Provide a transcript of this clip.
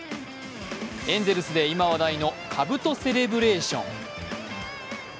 エンゼルスで今話題のかぶとセレブレーション。